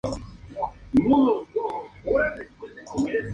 Fue muerto cuando intentó escapar.